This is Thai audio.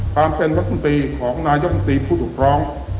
ความเป็นวัฒนธีของนายวัฒนธีผู้ถูกร้อง